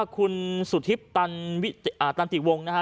คุณสุทิพย์ตันติกวงนะครับ